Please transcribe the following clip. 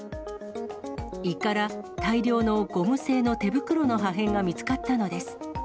胃から大量のゴム製の手袋の破片が見つかったのです。